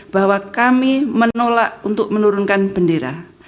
bahwa kami menolak untuk menurunkan bendera